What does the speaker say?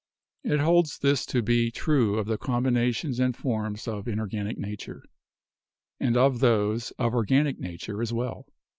It holds this to be true of the combinations and forms of inorganic nature, and of those of organic nature as well.